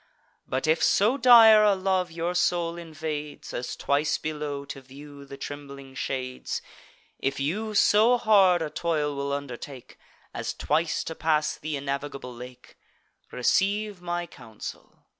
But if so dire a love your soul invades, As twice below to view the trembling shades; If you so hard a toil will undertake, As twice to pass th' innavigable lake; Receive my counsel.